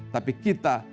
tapi kita lebih suka